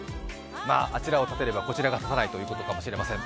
まぁ、あちらを立てればこちらが立たずということかもしれません。